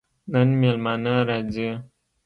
نن مېلمانه راځي